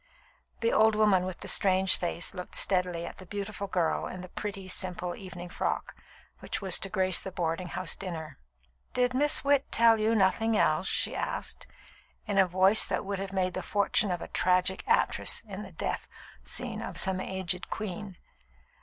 The old woman with the strange face looked steadily at the beautiful girl in the pretty, simple, evening frock which was to grace the boarding house dinner. "Did Miss Witt tell you nothing else?" she asked, in a voice which would have made the fortune of a tragic actress in the death scene of some aged queen.